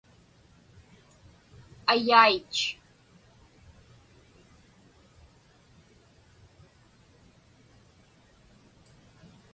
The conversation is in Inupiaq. ayait